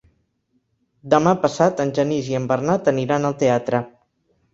Demà passat en Genís i en Bernat aniran al teatre.